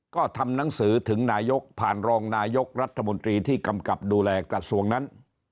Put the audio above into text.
ก็ทำหนังสือถึงนายกผ่านรองนายกรัฐมนตรีที่กำกับดูแลกระทรวงนั้น